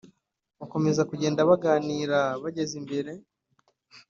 bakomeza kugenda baganira bageze imbere